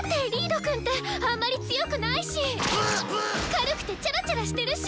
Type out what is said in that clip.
軽くてチャラチャラしてるし！